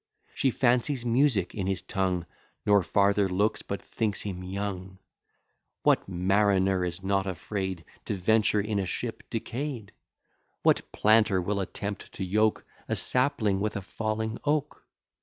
She fancies music in his tongue; Nor farther looks, but thinks him young. What mariner is not afraid To venture in a ship decay'd? What planter will attempt to yoke A sapling with a falling oak?